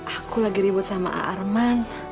aku lagi ribet sama arman